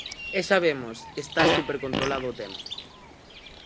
E xa vemos, está supercontrolado o tema.